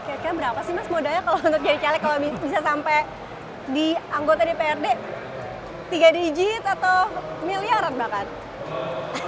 kayaknya berapa sih mas modalnya kalau menurut gede celek kalau bisa sampai di anggota di prd tiga digit atau miliaran bahkan